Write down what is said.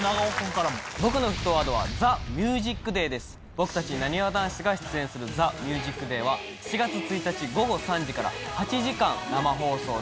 僕たちなにわ男子が出演する『ＴＨＥＭＵＳＩＣＤＡＹ』は７月１日午後３時から８時間生放送です。